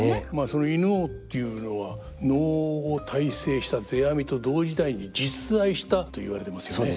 その犬王というのは能を大成した世阿弥と同時代に実在したといわれてますよね。